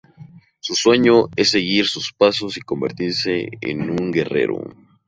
Su sueño es seguir sus pasos y convertirse en un guerrero.